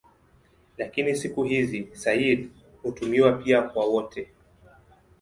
Lakini siku hizi "sayyid" hutumiwa pia kwa wote.